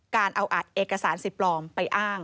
การเอาเอกสารสิทธิ์ปลอมไปอ้าง